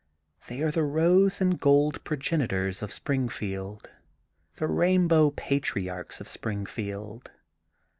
'*They are the rose and gold progenitors of Sprinfield, the rainbow patriarchs of Spring field.